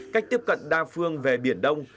cách tiếp cận đa phương về biển đông